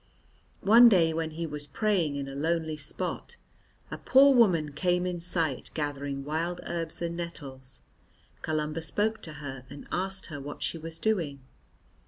One day when he was praying in a lonely spot, a poor woman came in sight gathering wild herbs and nettles. Columba spoke to her and asked her what she was doing.